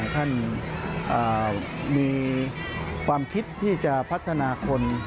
ท่านมีความคิดที่จะพัฒนาคน